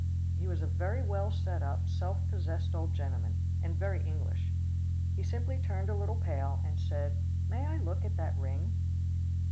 He was a very well set up, self possessed old gentleman, and very English. He simply turned a little pale, and said, "May I look at that ring?"